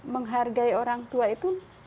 menghargai orang tua itu